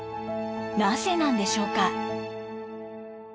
なぜなんでしょうか？